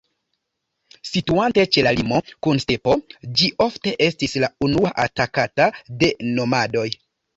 Situante ĉe la limo kun stepo, ĝi ofte estis la unua atakata de nomadoj.